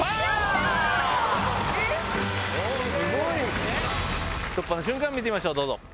すごい！突破の瞬間見てみましょうどうぞ。